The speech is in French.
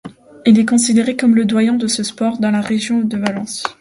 Il est considéré comme le doyen de ce sport dans la région de Valence.